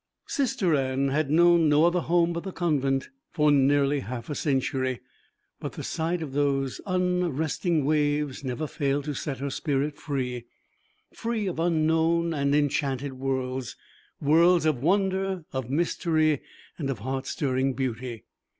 Sister Anne had known no other home but the convent for nearly half a century, but the sight of those unresting waves never failed to set her spirit free: free of unknown and enchanted worlds, worlds of wonder, of mystery, and of heart stirring beauty.